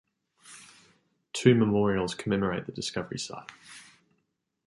Two memorials commemorate the discovery site.